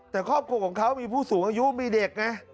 แต่ครอบครัวของเขามีผู้สูงอายุมีเด็กไง